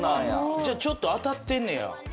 じゃあちょっと当たってんねや。